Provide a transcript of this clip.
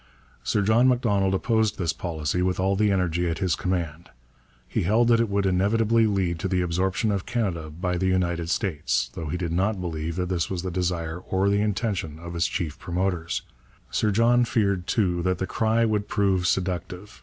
Sir John Macdonald opposed this policy with all the energy at his command. He held that it would inevitably lead to the absorption of Canada by the United States, though he did not believe that this was the desire or the intention of its chief promoters. Sir John feared too that the cry would prove seductive.